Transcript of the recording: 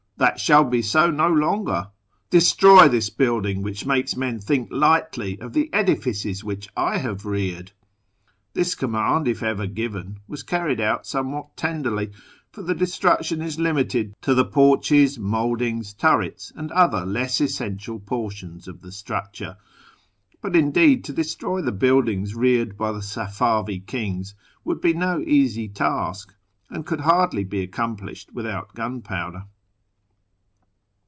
That shall be so no longer. Destroy this building Mhicli makes men think lightly of the edifices which I have reared.' " This command, if ever given, was carried out somewhat tenderly, for the destruction is limited to the porches, mouldings, turrets, and other less essential portions of the structure. But, indeed, to destroy the buildings reared by the Safavi kings w^ould be no easy task, and could hardly be accomplished without gunpowder.